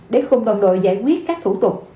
để khuôn đồng đội giải quyết các thủ tục